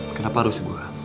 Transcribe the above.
kenapa harus gue